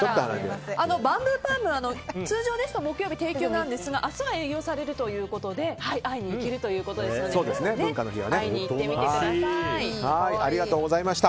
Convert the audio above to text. バンブーパームは通常ですと木曜日定休なんですが明日は営業されるということで会いに行けるということですので会いに行ってみてください。